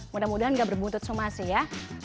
mudah mudahan gak berbuntut soal masih ya